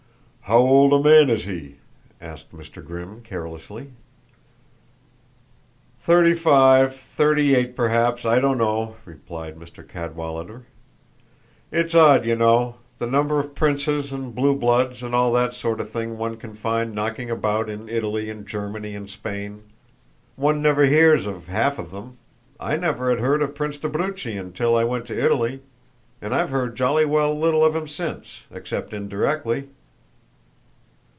"How old a man is he?" asked Mr. Grimm carelessly. "Thirty five, thirty eight, perhaps; I don't know," replied Mr. Cadwallader. "It's odd, you know, the number of princes and blue bloods and all that sort of thing one can find knocking about in Italy and Germany and Spain. One never hears of half of them. I never had heard of the Prince d'Abruzzi until I went to Italy, and I've heard jolly well little of him since, except indirectly."